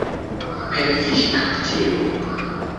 Per fiŝkaptilo.